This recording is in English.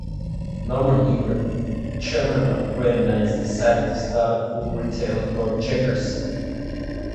Norman Herber, chairman of Greatermans decided to start a food retailer called Checkers.